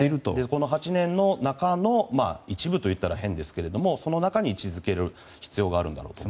この８年の中の一部といったら変ですけどもその中に位置づける必要があるんだろうと。